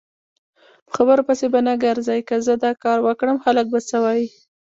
په خبرو پسې به نه ګرځی که زه داکاروکړم خلک به څه وایي؟